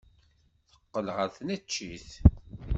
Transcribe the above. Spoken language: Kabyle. Teqqel ɣer tneččit.